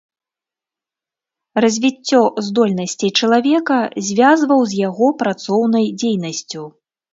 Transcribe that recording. Развіццё здольнасцей чалавека звязваў з яго працоўнай дзейнасцю.